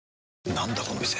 なんだこの店。